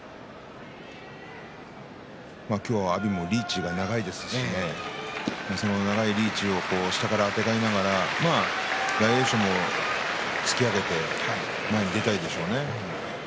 今日は阿炎もリーチが長いですしその長いリーチを下からあてがいながら大栄翔が突き上げて出たいでしょうね。